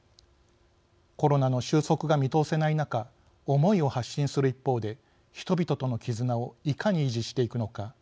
コロナの収束が見通せない中思いを発信する一方で人々との絆をいかに維持していくのか。